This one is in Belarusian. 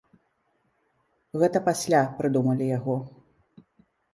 Гэта пасля прыдумалі яго.